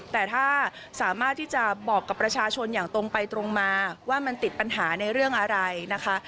แต่ถ้าสามารถที่จะบอกกับประชาชนอย่างตรงไปตรงมาว่ามันติดปัญหาในเรื่องอะไรนะคะ